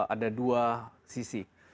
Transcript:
ada dua sisi